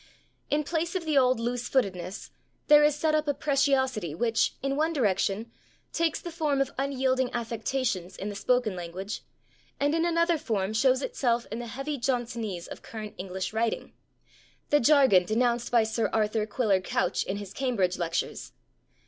In place of the old loose footedness there is set up a preciosity which, in one direction, takes the form of unyielding affectations in the spoken language, and in another form shows itself in the heavy Johnsonese of current English writing the Jargon denounced by Sir Arthur Quiller Couch in his Cambridge lectures.